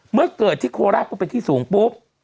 เมื่อเกิดที่โคราชปุ๊บเป็นที่สูงปุ๊บ